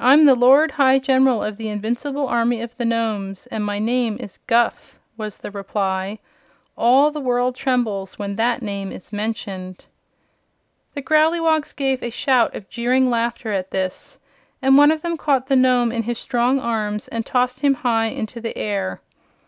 "I'm the Lord High General of the Invincible Army of the Nomes, and my name is Guph," was the reply. "All the world trembles when that name is mentioned." The Growleywogs gave a shout of jeering laughter at this, and one of them caught the Nome in his strong arms and tossed him high into the air.